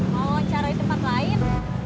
wawancara di tempat lain